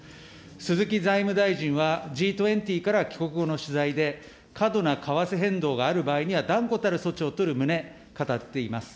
鈴木財務大臣はＧ２０から帰国後の取材で、過度な為替変動がある場合には、断固たる措置を取る旨、語っています。